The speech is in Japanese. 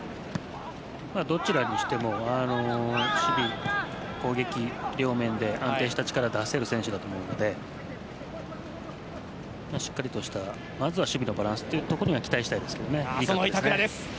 どちらにしても守備、攻撃の両面で安定した力を出せる選手だと思うのでしっかりとした守備のバランスには期待したいですけどね。